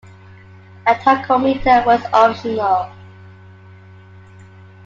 A tachometer was optional.